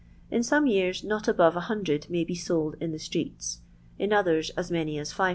In some years not abore 100 may be sold in the streeto ; in others, as many as 500.